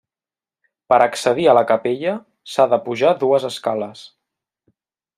Per accedir a la capella s'ha de pujar dues escales.